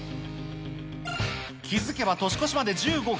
気付けば年越しまで１５分。